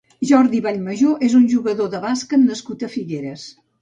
Jordi Vallmajó és un jugador de bàsquet nascut a Figueres.